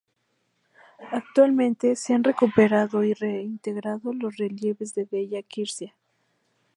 Actualmente, se han recuperado y reintegrado los relieves de Della Quercia.